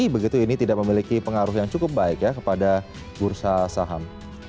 begitu ini tidak memiliki pengaruh yang cukup baik ya kepada bursa saham